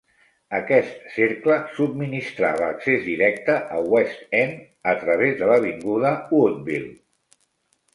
Aquest cercle subministrava accés directe a West End a través de l'avinguda Woodville.